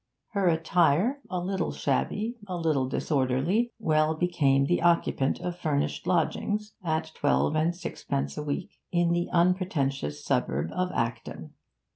Her attire, a little shabby, a little disorderly, well became the occupant of furnished lodgings, at twelve and sixpence a week, in the unpretentious suburb of Acton.